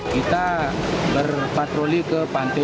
kita berpatroli ke pantai